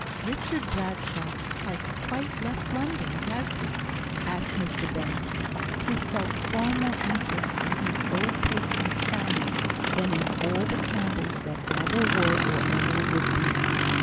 "Richard Bradshaw has quite left London, has he?" asked Mr Benson, who felt far more interest in his old patron's family than in all the Campbells that ever were or ever would be.